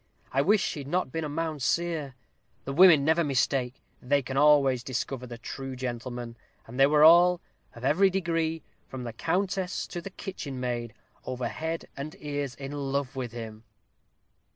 I wish he'd not been a Mounseer. The women never mistake. They can always discover the true gentlemen, and they were all, of every degree, from the countess to the kitchen maid, over head and ears in love with him."